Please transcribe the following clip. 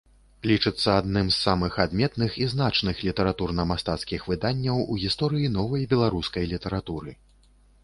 Лічыцца адным з самых адметных і значных літаратурна-мастацкіх выданняў у гісторыі новай беларускай літаратуры.